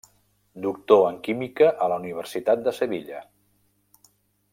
Doctor en química a la Universitat de Sevilla.